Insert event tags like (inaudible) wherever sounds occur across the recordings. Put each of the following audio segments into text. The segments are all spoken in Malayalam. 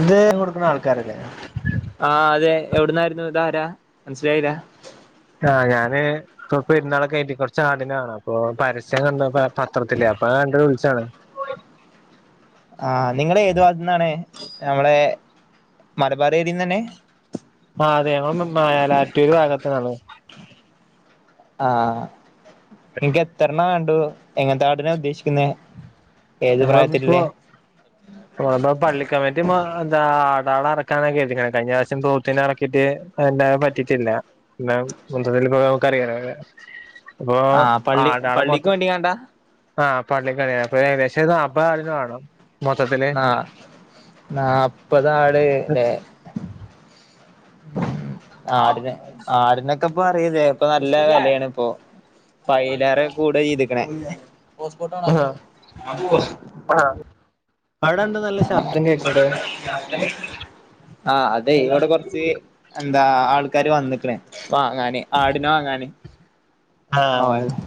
ഇത് കൊടുക്കുന്ന ആൾക്കാരല്ലേ ആഹ് അതെ എവിടുന്നായിരുന്നു ഇത് ആര? മനസ്സിലായില്ല? ആഹ് ഞാന്. ഇപ്പൊ പെരുന്നാളെ കായിറ്റി കുറച്ച് ആടിനെ വാണം അപ്പൊ പരസ്യം കണ്ട് പത്രത്തിലേ അപ്പൊ കണ്ട്വിളിച്ചാണ്. ആ നിങ്ങള് ഏതു ഭാഗത്ത്ന്നാണ് നമ്മളെ മലബാർ ഏരിയയിൽ നിന്ന് തന്നെ. ആഹ് അതെ മ മ മേലാറ്റൂര് ഭാഗത്ത് ന്നാണ്. ആഹ നിങ്ങക്ക് എത്രണ്ണ വേണ്ടുത്? എങ്ങനത്തെ? എത്രണ ഉദ്ദേശിക്കുന്നെ ഏത് പ്രായത്തില്ല്ലേ? പ്പ നമളെ പള്ളിക്കമ്മറ്റി മാ എന്താ ആടാളെ റക്കാന കേരി ത്ക്ക്ണെ കഴിഞ്ഞ വർശം പോത്തിനെ ഇറക്കിട്ട്. പറ്റിച്ചില്ല ന്നാ മൊത്തത്തിൽ പ്പൊ കറിയണെ ഇപ്പൊ ആടാളെ മൊത്തം. ട്ടിയേണ്ട ആഹ പള്ളിക്കല്ലെ അപ്പൊ ഏകദേശം ഒരു നാപ്പതാടിനെ വാണം. നാ നാപ്പതാട് ല്ലെ. ആടിനെ ആടിനൊക്കെ ഇപ്പ അറിലെ? ഇപ്പൊ നല്ല വെലയാണ് ഇപ്പോ പയിലേറെ കൂടെ ഇത് ഇ ഹോസ്പോട്ട് ഓൺക്ക് ആഹ് ആഹ് അവിടെന്താ നല്ല ശബ്ദം കേൾക്കണത് ആഹ് അതെ അവിടെ കെറച്ചെ എന്താ ആൾക്കാര് വന്നിക്കണെ വാങ്ങാന് ആടിനെ വാങ്ങാന്. ആഹ് ഓഹ്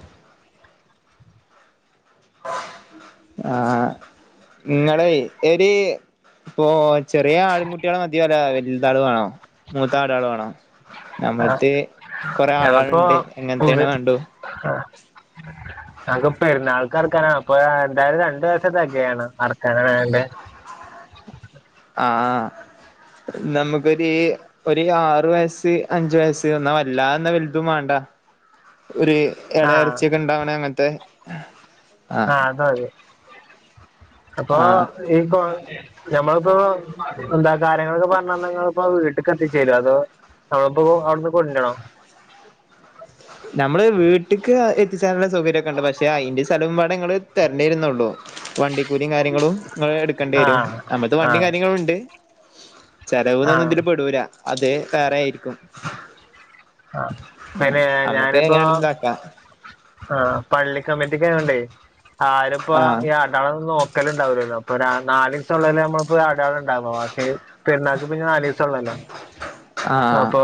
ആഹ് ഇങ്ങളെയ് എരി പോ ചെറിയ ആടിൻകുട്ടികളെ മതിയോ അല്ല വലിത് ആടുകൾ വേണോ മൂത്ത ആടുകള് വേണോ? നമ്മളെടെത്ത് കൊറെ ആടുകൾ ഉണ്ട് എങ്ങനത്തെയാണ് വേണ്ടു. ആഹ് ഞങ്ങക്ക് പെരുന്നാൾക്ക് അറക്കാനാ അപ്പൊ എന്തായാലും രണ്ട് ദിവസത്തേക്ക് വേണം അറക്കാൻ അയകുകൊണ്ട് ആ നമുക്കൊരി ഒരി ആറു വയസ് അഞ്ചു വയസ്സ് എന്നാ വല്ലാതെന്നാ വലുതും വാണ്ട ഒരി എടേ ആഹ് എറച്ചിയൊക്കെ ഒണ്ടാവണെ മറ്റേ ആഹ് അത് മതി അപ്പൊ ആഹ് ഈ കൊ നമ്മളിപ്പോ എന്താ കാര്യങ്ങളൊക്കെ പറഞ്ഞ് തന്നാ നിങ്ങളിപ്പോ വീട്ടിക്ക് എത്തിച്ചേരോ അതോ.? നമ്മളിപ്പോ അവിടുന്ന് കൊഞ്ചണോ? നമ്മള് വീട്ടിക്ക് എത്തിച്ചേരാനുള്ള സൗകര്യം ഒക്കെ ഒണ്ട് പക്ഷെ അയിന്റെ സ്ഥലവും വ നിങ്ങള് തെരണ്ടിയിരുന്നുള്ളൂ വണ്ടി. കൂലി കാര്യങ്ങളും എടുക്കേണ്ടി വരും ആഹ് നമ്മളത്തെ വണ്ടിയും ആഹ് കാര്യങ്ങളും ഉണ്ട്. ചെലവ് തന്ന് ആഹ് ഇതില് പെടൂരാ അതെ വേറെ ആയിരിക്കും ആഹ് അന്നെ നമ്മക്ക് ഞാനിപ്പോ എങ്ങനെയാണെങ്കിലും ഇതാക്കാം ആഹ് പള്ളി കമ്മിറ്റിക്ക് പോവണ്ടേ ആഹ് ആരപ്പയാർ നാളെ വന്ന് നോക്കല് ഉണ്ടാവല്ലോ അപ്പൊ നാല് ദിസം ഉള്ളേല് നമ്മള് ഇപ്പെ ഒരു അടയാളം ഉണ്ടാവെ പെരുന്നാൾക്ക് പിന്നെ നാല് ദിവസെ ഉള്ളല്ലോ ആഹ് അപ്പൊ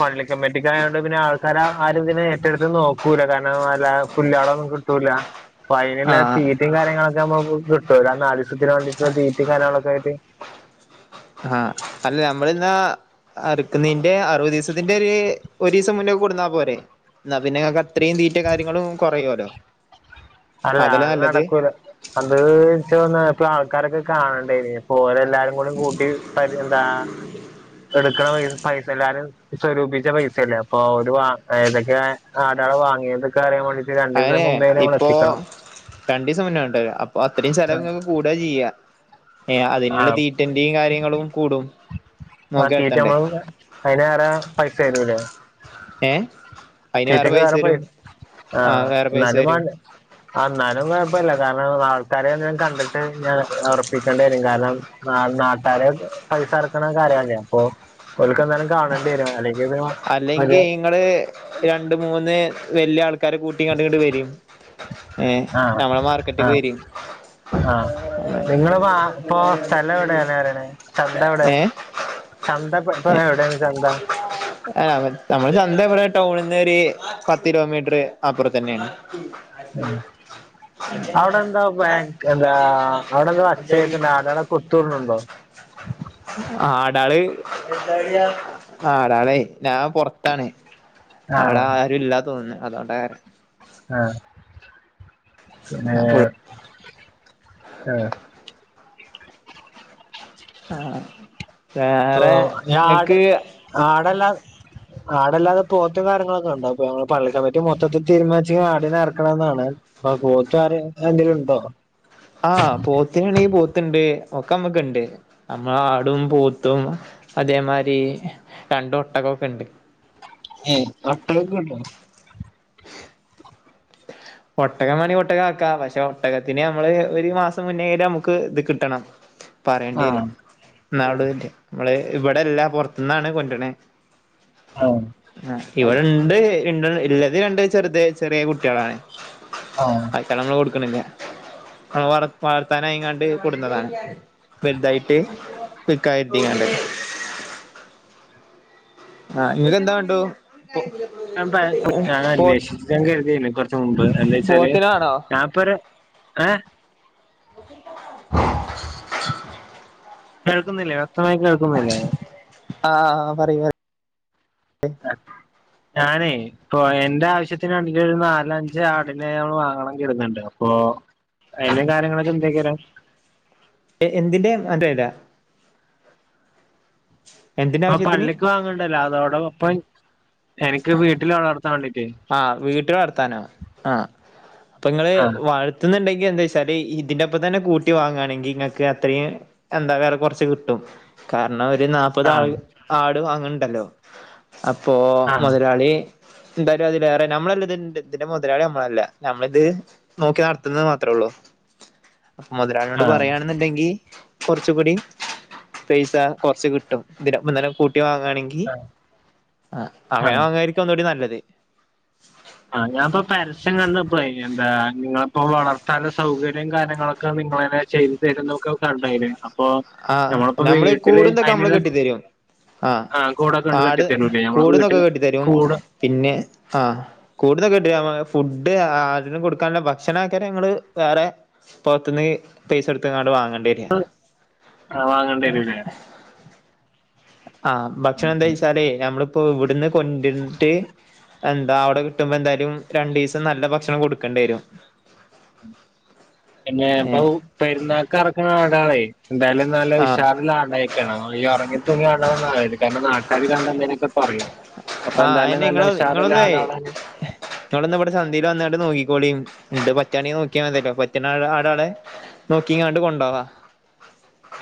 പള്ളി കമ്മിറ്റികാരോട് പിന്നെ ആൾക്കാരാ ആര് ഇതിനെ ഏറ്റെടുത്ത് നോക്കൂല കാരണം നല്ല പുല്ലാളോന്നും കിട്ടൂല്ല ഫൈനൽ ആയിട്ട് ആഹ് തീറ്റയും കാര്യങ്ങളൊക്കെ നമുക്ക് കിട്ടും ലിസത്തിന് വേണ്ടിട്ട് തീറ്റയും കാര്യങ്ങളൊക്കെ ആയിട്ട് ആഹ് അല്ല നമ്മളിന്ന് അറുക്കുന്നതിന്റെ അറുപത് ദിവസത്തിന്റെ ഒരു ദിവസം മുന്നേ കൊണ്ടുവന്നാ പോരെ എന്നാ പിന്നെ ഞങ്ങക്ക് അത്രയും തീറ്റ കാര്യങ്ങളും കെറയുമല്ലോ അല്ല അ നടക്കൂല അത്ച്ചോ ഇപ്പ ആൾക്കാരൊക്കെ കാണണ്ടായി പോലെ എല്ലാരും ഓളെ കൂട്ടി എന്താ എടുക്കണ പൈസ എല്ലാരും സ്വരൂപിച്ച പൈസയല്ലേ അപ്പൊ ഒരു ഏതൊക്കെ ആടാള വാങ്ങിയത് എനിക്ക് അറിയാൻ പാടി രണ്ട് ദിവസ മുമ്പേ നമ്മള് എടുക്ക രണ്ടു ദിവസം മുന്നേ വേണ്ട അപ്പൊ അത്രയും സ്ഥലം നിങ്ങക്ക് കൂട്ടുകയാ ചെയ്യാ ഏഹ് ആ അതിനുള്ള തീറ്റന്റെ കാര്യങ്ങളും കൂടും നോക്കി നടത്തേണ്ടേ അയിന് വേറെ പൈസ വരൂവല്ലേ ഏഹ് തീറ്റക്ക് വേറെ പൈസ ആഹ് വേറെ പൈസ എന്നാലും വരും വാണ്ടേ അന്നാലും കെഴപ്പമില്ല കാരണം ആൾക്കാരെ എന്തിലും കണ്ടിട്ട് ഞാൻ ഒറപ്പിക്കേണ്ടി വരും കാരണം ആഹ് നാട്ടാര് പൈസ എറക്കണ കാര്യയില്ലേ അപ്പൊ ഓൽക്ക് എന്താലും കാണേണ്ടിവരും അല്ലേ അല്ലെങ്കി നിങ്ങള് രണ്ട് മൂന്ന് വല്യ ആൾക്കാര് കൂട്ടി ഇങ്ങട്ട് ഇങ്ങട്ട് വരീൻ ഏഹ് ആഹ് നമ്മള് മാർക്കറ്റിക്ക് വരീൻ ആഹ് നിങ്ങളപ്പോ ആഹ് ഇപ്പൊ സ്ഥലം എവിടെ പറയണേ ചന്ത എവിടെ ഏ ചന്ത ഇപ്പെ എവിടെയാണ് ചന്ത ആഹ് നമ്മള് ചന്ത ഇവിടെ ടൗണിന്ന് ഒരു പത്ത് ഇരുപത് മീറ്റർ അപ്പുറത്ത് തന്നെയാണ് അവിടെന്താ ബാങ്ക് എന്താ അവിടെന്താ അച്ചേക്കുന്നേ (unintelligible) കൊത്തൂറിനുണ്ടോ ആടാള് എന്താളിയ ആഹ് ഒളെ ഞാൻ പുറത്താണ് അവിടെ ആഹ് ആരും ഇല്ലാ തോന്നുന്നു അതുകൊണ്ട കാരം ആഹ് പിന്നെ ഞാൻ ഫുൾ ആഹ് ആഹ് ഇപ്പൊ വേറെ ഈ ആട് ഇങ്ങക്ക് ആടല്ലാ ആടല്ലാതെ പോത്തും കാര്യങ്ങളൊക്കെ ഉണ്ടാവ അപ്പൊ ഞങ്ങള് പള്ളിക്കാൻ പറ്റി മൊത്തത്തിൽ തീരുമാനിച്ച ആടിനെ അറക്കണ എന്നാണ് ആഹ് പോത്തരെ എന്തേലും ഉണ്ടോ ആഹ് പോത്തി ആണെങ്കി പോത്ത്ണ്ട് ഒക്കെ അമ്മക്ക്ണ്ട് നമ്മൾ ആടും പൂത്തും അതേമാരി രണ്ട ഒട്ടക ഒക്കെ ഉണ്ട് ഏ ഒട്ടൊക്കെ ഉണ്ടോ ഒട്ടക മാണേ ഒട്ടക ആക്ക പക്ഷെ ഒട്ടകത്തിന് നമ്മള് ഒരു മാസം മുന്നേ നമുക്ക് ഇത് കിട്ടണം പറയേണ്ടി വരും ആഹ് എന്നാള തന്നെ നമ്മള് ഇവിടെല്ല പുറത്തുന്നാണ് കൊറണെ ആഹ് ആഹ് ഇവിടെണ്ട് ഇ ഇല്ലത് രണ്ട് ചെറുത ചെറീയെ കുട്ടിയള ആഹ് ഇ നമ്മള് കൊടുക്കണില്ല നമ്മള് വ വളർത്താന അങ്ങാണ്ട് കൊടുന്നതാണ് വൽതായിട്ട് വിക്കാര്തിയാണ്ട് ആഹ് ഇങ്ങക്ക്ന്താ വണ്ടോ ഞ ഞാൻ അന്വേഷിച്ച് ഞാൻ കര്ത്യെനി കുറച്ച മുമ്പ് എന്താച്ചാല് പോത്തിനാണോ ഞാ പ്പര് ഏ കേൾക്കുന്നില്ലേ വ്യക്തമായി കേൾക്കുന്നില്ലേ ആഹ് പറയ് പറയ് (inaudible) ഞാനേ ഇപ്പൊ എന്റെ ആവശ്യത്തിന് വേണ്ടിയിട്ട് ഒരു നാല് അഞ്ച് ആടിനെ നമ്മള് വാങ്ങണം കര്ത്ണ്ട് അപ്പൊ അതിലും കാര്യങ്ങളെന്തൊക്കെരം എന്തിന്റെയാന്ന് അറിയൂല്ല (inaudible) അപ്പ ആവശ്യത്തിന് പള്ളിക്ക് വാങ്ങണ്ടല്ലോ അതോടൊപ്പം എനിക്ക് വീട്ടില് വളർത്താൻ വേണ്ടീട്ട് ആഹ് വീട്ടിൽ വളർത്താനോ ആഹ് അപ്പൊ നിങ്ങള് ആഹ് വൾ എച്ചുന്നുണ്ടെങ്കിൽ എന്താ വെച്ചാല് ഇതിന്റെപ്പം തന്നെ കൂട്ടി വാങ്ങാണെങ്കിൽ നിങ്ങക്ക്അത്രയിം എന്താ വേറെ കുറച്ച് കിട്ടും കാരണം ഒരു നാ മുപ്പത് ആ ആഹ് ആട് വാങ്ങ്ണ്ടല്ലോ അപ്പോ ആഹ് മുതലാളി എന്തായാലും അതില് വേറെ നമ്മളല്ല ഇതി ഇതിന്റെ മുതലാളി നമ്മളല്ല നമ്മളിത് നോക്കി നടത്തുന്നത് മാത്രേ ഉള്ളൂ (inaudible) മുതലാളിനോട് ആഹ് പറയാണെന്നുണ്ടെങ്കി കുറച്ച് കൂടി പൈസ കുറച്ച് കിട്ടും ഇതിനിപ്പം ഇന്നലെ കൂട്ടി വാങ്ങണെങ്കി ആഹ് അങ്ങനെ ആഹ് വാങ്ങായിരിക്കും ഒന്നൂടി നല്ലത് ആഹ് ഞാനിപ്പൊ പരസ്യം കണ്ടിപ്പോ എന്താ നിങ്ങളിപ്പോ വളർത്താനും സൗകര്യം കാര്യങ്ങളൊ നിങ്ങളന്നെ ചെയ്തു തരുന്നൊക്കെ ഉണ്ടായിരുന്നു അപ്പൊ ആഹ് നമ്മളിപ്പോ നമ്മള് വീട്ടില് കൂടുന്തൊക്കെ നമ്മള് അയിനുള്ള കെട്ടി തരും ആഹ് കൂടൊക്കെ ആണ്ട് കെട്ടി ആട് തരൂലേ നമ്മളെ കൂട്തൊക്കെ വീട്ടില് കെട്ടി തരും കൂട് പിന്നെ ആഹ് കൂടുന്നക്കെ കെട്ടി തരും ഫുഡ് ആടിന് കൊടുക്കാനുള്ള ഭക്ഷണമൊക്കെ നിങ്ങള് വേറെ പുറത്ത്നിന്ന് പൈസ എടുത്ത്ങ്ങാണ്ട് വാങ്ങേണ്ടി വര ആഹ് വാങ്ങേണ്ടി വരൂല്ലേ ആഹ് ഭക്ഷണം എന്താ വെച്ചാലെ നമ്മളിപ്പോ ഇവിടുന്ന് കൊണ്ടിരുന്നിട്ട് എന്താ അവിടെ കിട്ടുമ്പോ എന്തായാലും രണ്ടു ദിവസം നല്ല ഭക്ഷണം കൊടുക്കേണ്ടി വരും പിന്നെ ഇപ്പൊ ഏഹ് പെരുന്നാൾക്ക് ഇറക്കുന്ന നാടാളെ എന്തായാലും നല്ല ആഹ് വിഷാദിലാണ്ടെ കാരണം ഈ ഇറങ്ങിത്തൂങ്ങിയാണത് കാരണം നാട്ടാര് കണ്ടാന്തേലുക്കെ പറയും അപ്പൊ ആഹ് എന്തായാലും നല്ല ഉഷാറുള്ള (unintelligible) ഇങ്ങളിന്ന് ഇവിടെ ചന്തയിൽ വന്നിട്ട് നോക്കിക്കോളീന്ന് ഇണ്ട് പറ്റാണി നോക്കിയാ മതില്ലോ പറ്റുന്ന ആടാളെ നോക്കി കണ്ട് കൊണ്ടോവാം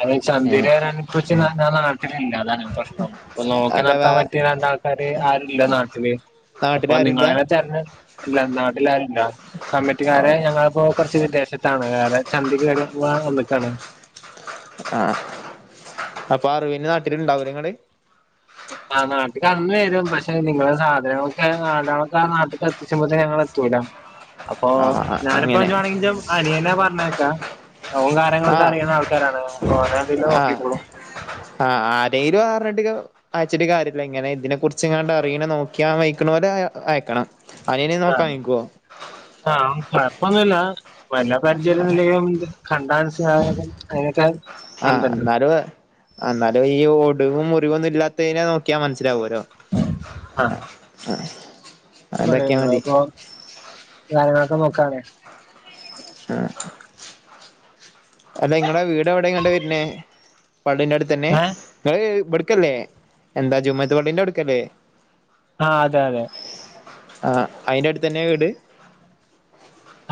അതിന് ചന്തയിൽ വരാന് പക്ഷെ ഞാൻ നാട്ടിലില്ല അതാണ് പ്രശ്നം ഇപ്പൊ നോക്കി അല്ല വേ നടത്താൻ പറ്റിയ രണ്ടാൾക്കാര് ആരുല്ല നാട്ടില് അപ്പൊ നാട്ടിലാരുല്ല നിങ്ങള് (unintelligible) നാട്ടിലാരുമില്ല കമ്മിറ്റിക്കാരെ ആഹ് ഞങ്ങളിപ്പോ കുറച്ച് വിദേശത്താണ് വേറെ ചന്തിക്ക് വേറെ വന്നക്കാണ് ആഹ് അപ്പൊ അറവിന് നാട്ടിലുണ്ടാവില്ലേ നിങ്ങള് ആഹ് നാട്ടിൽക്ക് അന്ന് വരും പക്ഷെ നിങ്ങളെ സാധനങ്ങളൊക്കെ സാധനങ്ങളൊക്കെ ആഹ് നാട്ടിൽക്ക് എത്തിച്ചുമ്പത്തിന് ഞങ്ങൾ എത്തൂല. അപ്പൊ ആഹ് ഞാനിപ്പോ അങ്ങനെ (unintelligible) അനിയനാ പറഞ്ഞേക്കാ അപ്പം കാര്യങ്ങളൊക്കെ ആഹ് അറിയുന്ന ആൾക്കാരാണ് അപ്പൊ ഓനെ എന്തേലും ആഹ് നോക്കിക്കോളും. ആഹ് ആരെങ്കിലും അറിഞ്ഞിട്ടിക്ക അയച്ചിട്ട് കാര്യമില്ല ഇങ്ങനെ ഇതിനെ കുറിച്ച് ഇങ്ങാണ്ട് അറിയണ നോക്കിയാൻ വെയ്ക്കു ണോലെ അയക്കണം. അനിയന് ആഹ് നോക്കാം വെയ്ക്കോ ആഹ് കുഴപ്പമൊന്നുല്ല വല്ല പരിചയം ഇല്ലെങ്കിലും കണ്ടാ മനസ്സിലാവും അതിനൊക്കെ ആഹ് അന്തണ്ട് എന്നാലും എന്നാലും ഈ ഒടുവും മുറിവും ഒന്നും ഇല്ലാത്തതിനെ നോക്കിയാൽ മനസ്സിലാവുല്ലോ. ആഹ് ആഹ് (unintelligible) അപ്പൊ കാര്യങ്ങളൊക്കെ നോക്കാനേ ആഹ് അല്ല ഇങ്ങളെ വീട് എവടെങ്ങട്ട് വര് നേ പള്ളിന്റെ അടുത്ത് തന്നെ ഏഹ് ഇങ്ങള് ഇബട്ക്കല്ലേ എന്താ ജുമുഅത്ത് പള്ളിന്റെ ആഉട്ക്കല്ലേ ആഹ് അതെ അതെ ആഹ് അയിന്റെ അട്ത്തന്നേ വീട്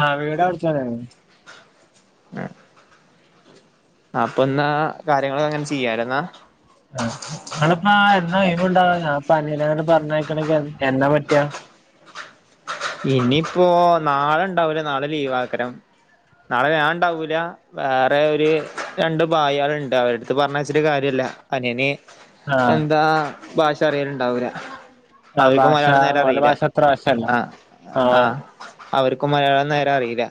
ആഹ് വീട് അവിട്തന്നെണ് അഹ അപ്പൊന്നാ കാര്യങ്ങളൊക്കെ അങ്ങനെ ചെയ്യാലെ ഇന്നാ ആഹ് ഇങ്ങള്പ്പാ എന്നാ ഒഴിവ്ണ്ടാവാ ഞാപ്പം അനില അങ്ങട്ട് പറഞ്ഞയക്കണെങ്കി എന്നാ പറ്റാ ഇനിയിപ്പോ നാളെ ഇണ്ടാവൂല നാളെ ലീവാക്കാരം നാളെ ഞാഇണ്ടാവൂല വേറെ ഒരു രണ്ട് ബായളുണ്ട് അവരടുത്ത് പറഞ്ഞയച്ചിട്ട് കാര്യല്ല അനിയന് ആഹ് എന്താ ഭാഷ അറിയല്ണ്ടാവൂല്ല ആഹ് അവർക്കും ഭാഷ മലയാളം നേരെ ഓലെ അറീല്ല ഭാഷ അത്ര വശല്ല ആഹ് ആഹ് അവർക്കും മലയാളം നേരെ അറീല്ല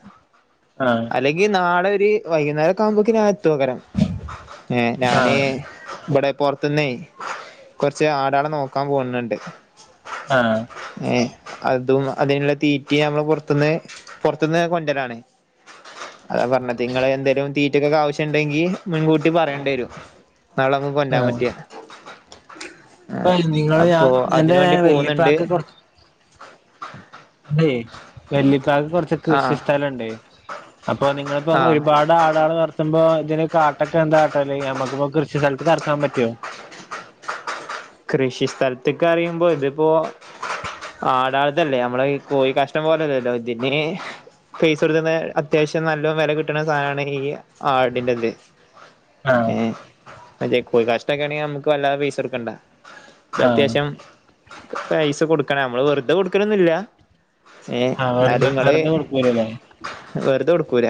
ആഹ് അല്ലെങ്കി നാളൊര് വൈകുന്നേരൊക്കെ ആകുമ്പോക്ക് ഞാ എത് ത്തു കാരം ഏ ഞാന് ആഹ് ഇബടെ പൊർത്ത്ന്നേ കൊറച്ച് ആടാളെ നോക്കാൻ പോകുന്നുണ്ട്. ആഹ് ഏഹ് അതുള്ള അതിനുള്ള തീറ്റിം നമ്മള് പൊറത്ത്ന്ന് പൊറത്ത്ന്ന് കൊണ്ടരലാണ് അതാ പറഞ്ഞത് ഇങ്ങള് എന്തേലും തീറ്റക്കൊക്കെ ആവശ്യണ്ടെങ്കി മുൻകൂട്ടി പറയെണ്ടിരും. നാളമ്മക്ക് കൊണ്ടാൻ ആഹ് പറ്റിയ ഇപ്പൊ ആഹ് നിങ്ങള് ഞാൻ അപ്പൊ അതിന് എന്റെ വേണ്ടി പോകുന്ന്ണ്ട്. വല്ലിപ്പാക്ക് ഇൻ്റെ വെല്ലിപ്പാക്ക് കൊറച്ച് ആ കൃഷി സ്ഥലണ്ട് അപ്പൊ നിങ്ങളിപ്പോ ആ ഒരുപാട് ആടളെ വളർത്തുമ്പോ ഇതിന് കാട്ടൊക്കെ എന്താ കാട്ടല് നമ്മക്കിപ്പോ കൃഷി സ്ഥലത്ത് കെറക്കാൻ പറ്റോ? കൃഷി സ്ഥലത്ത്ക്ക് പറിയുമ്പോ ഇതിപ്പോ ആടാള്ത്തല്ലേ നമ്മളെ ഈ കോയി കാഷ്ടം പോലല്ലല്ലോ ഇതിന് പൈസ എടുത്തുന്ന് അത്യാവശ്യം നല്ലോം വെലകിട്ട്ണ സാധനണ് ഈ ആടിന്റെത് ആഹ് ഏഹ് മറ്റേ കോഴി കാഷ്ടൊക്കാണെങ്കി നമ്മക്ക് വല്ലാതെ പൈസ കൊടുക്കണ്ട ഇത് ആഹ് അത്യാവശ്യം പൈസ കൊടുക്കണം നമ്മള് വെറുത കൊടുക്കലൊന്നൂല്ല ഏ ആഹ് ഇന്നാല് വെറുതെ ഇങ്ങള് വെറുതെ കൊടുക്കൂലല്ലേ വെറുത കൊടുക്കൂല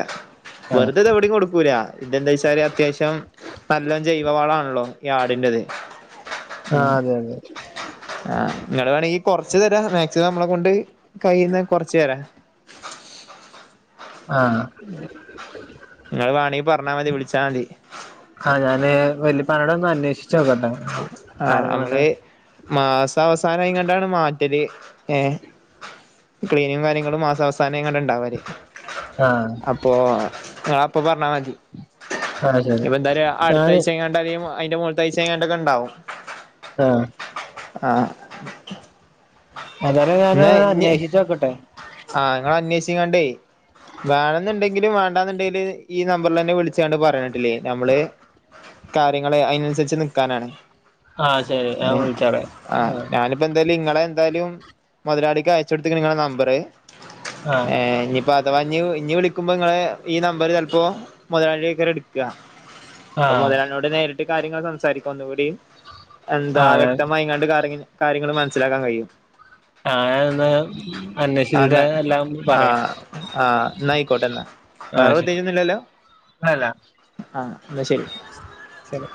ആഹ് വെറുതെ ഇത് എവടിം കൊടുക്കൂല ഇതെന്തയിച്ചാല് അത്യാവശ്യം നല്ലോം ജൈവ വാളാണല്ലോ ഈ ആടിൻ്റത് ആഹ് അതെ അതെ ആഹ് നിങ്ങള് വേണെങ്കി കൊറ്ച്ച് തരാ മാക്സിമം നമ്മളെ കൊണ്ട് കഴിയുന്ന കൊറച്ച് തരാ. ആഹ് ഇങ്ങള് വാണെങ്കി പറ്ഞ്ഞാ മതി വിളിച്ചാ മതി ആഹ് ഞാന് വല്ലിപ്പാനോടൊന്ന് അന്വേഷിച്ചു നോക്കട്ടെ കാര്യങ്ങളൊക്കെ. മാസാവസാന ആയിങ്ങാണ്ടാണ് മാറ്റല് ഏ ക്ലീനും കാര്യങ്ങളും മാസാവസാനം ആയിങ്ങാണ്ടാണ് ഇണ്ടാവല്. ആഹ് പ്പോ ഞാപ്പം പറഞ്ഞമാതിരി ആഹ് ഇനി ശരി ഇപ്പൊ എന്തായാലും അട്ത്ത ഞാന് ആഴ്ചങ്ങ ണ്ടാവിമു അയിന്റെ മോള്ത്താഴിച്ചെ ആയിങ്ങാണ്ടൊക്കെ ഇണ്ടാവും ആഹ് ആഹ് ഏതാലും ഞാന് എന്നാ ഇഞ്ഞ് അന്വേഷിച്ച് നോക്കട്ടെ ആഹ് ഇങ്ങള് അന്വേഷിങ്ങാണ്ടേ വേണന്ന്ണ്ടെങ്കിലും വേണ്ടാന്ന്ണ്ടെങ്കിലും ഈ നമ്പറ് ലന്നെ വിളിച്ചാണ്ട് പറയഞ്ഞെട്ടില്ലേ ഞമ്മള്. കാര്യങ്ങള് അയിനൻസരിച്ച് നിക്കാനാണ് ആഹ് ശെരി ഞാൻ വിൾച്ചാളെ ആഹ് ബെന്തെല്ലു ഇങ്ങള് എന്തായാലും മൊതലാളിക്ക് അയച്ചൊട്ത്ത്ക്ക്ണ് ഇങ്ങളെ നമ്പറ് ആഹ് ആഹ് ഏഹ് ഇഞ്ഞ് അപ്പൊ അതവാഞ്ഞ് ഇഞ്ഞ് വിളിക്കുമ്പ ഇങ്ങളെ ഈ നമ്പര് ചെലപ്പോ മൊതലാള്യേക്കാരം ഇട്ക്ക. അപ്പൊ ആഹ് മുതലാളി നേരിട്ട് കാര്യങ്ങൾ സംസാരിക്ക ഒന്നുകൂടി എന്താ ആഹ് വ്യക്തമായിങ്ങാണ്ട് കാര്യങ്ങ കാര്യങ്ങള് മനസ്സിലാക്കാൻ കഴിയും ആഹ് (unintelligible) ആന്ന എല്ലാം പറയാം ആഹ് ആഹ് ന്നായിക്കോട്ടെ ഇന്നാ വേറെ ആഹ് ശരി പ്രത്യേക ഒന്നുല്ലല്ലോ അല്ല ആഹ് ഇന്നാ ശെരി ശരി